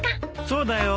そうだよ。